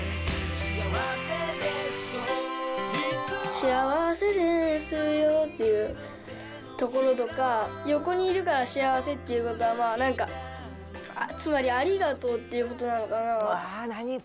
幸せですよっていうところとか、横にいるから幸せっていうことは、なんか、つまりありがとうっていうことなのかな。